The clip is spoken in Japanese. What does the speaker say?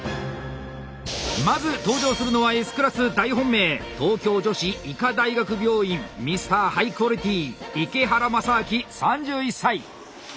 まず登場するのはＳクラス大本命東京女子医科大学病院ミスターハイクオリティー池原大烈３１歳。